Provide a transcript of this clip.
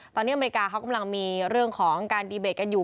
ตอนนี้อเมริกาเขากำลังมีเรื่องของการดีเบตกันอยู่